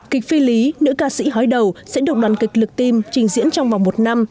kịch phi lý nữ ca sĩ hói đầu sẽ được đoàn kịch lực tim trình diễn trong vòng một năm